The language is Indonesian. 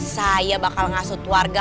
saya bakal ngasut warga